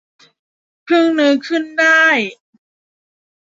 เพิ่งนึกขึ้นได้